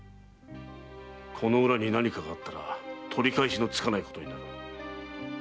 この裏に何かがあったら取り返しのつかないことになる。